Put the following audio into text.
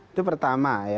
itu pertama ya